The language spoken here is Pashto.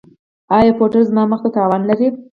ایا پوډر زما مخ ته تاوان لري؟